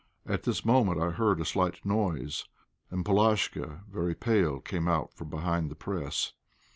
At this moment I heard a slight noise, and Polashka, very pale, came out from behind the press.